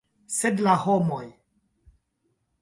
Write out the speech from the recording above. Sed la homoj!